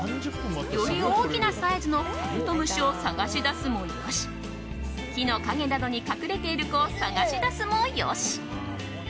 より大きなサイズのカブトムシを探し出すも良し木の陰などに隠れている子を探し出すのも良し。